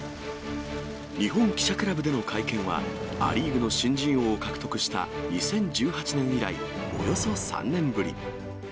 日本記者クラブでの会見は、ア・リーグの新人王を獲得した２０１８年以来、およそ３年ぶり。